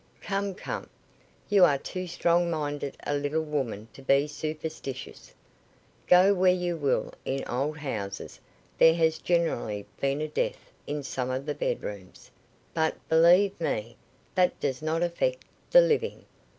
Come, come. You are too strong minded a little woman to be superstitious. Go where you will, in old houses, there has generally been a death in some of the bedrooms; but believe me, that does not affect the living.